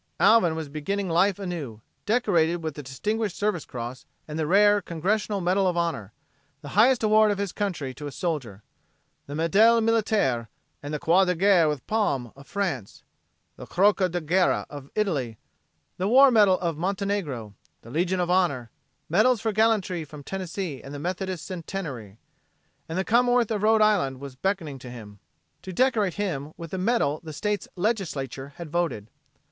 Alvin was beginning life anew, decorated with the Distinguished Service Cross and the rare Congressional Medal of Honor, the highest award of his country to a soldier; the Medaille Militaire and the Croix de Guerre with Palm, of France; the Croca di Guerra, of Italy; the War Medal of Montenegro; the Legion of Honor; medals for gallantry from Tennessee and the Methodist Centenary, and the Commonwealth of Rhode Island was beckoning to him, to decorate him with the medal the State's legislature had voted.